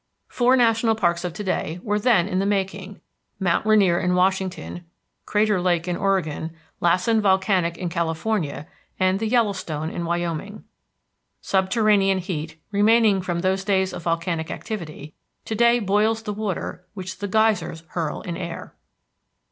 Four national parks of to day were then in the making, Mount Rainier in Washington, Crater Lake in Oregon, Lassen Volcanic in California, and the Yellowstone in Wyoming. Subterranean heat, remaining from those days of volcanic activity, to day boils the water which the geysers hurl in air.